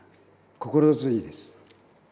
心強いです。